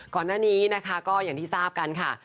ก่อนหน้านี้นะคะก็อย่างที่ทราบกันค่ะ